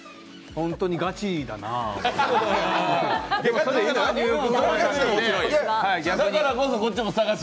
本当にガチだなあ、お前。